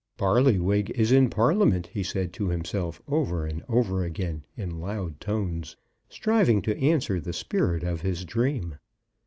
"Barlywig is in Parliament," he said to himself, over and over again, in loud tones, striving to answer the spirit of his dream.